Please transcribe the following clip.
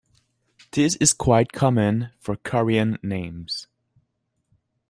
This is quite common for Korean names.